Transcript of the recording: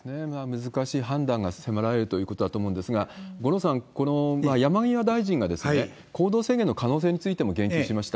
難しい判断が迫られるということだと思うんですが、五郎さん、この山際大臣が、行動制限の可能性についても言及しました。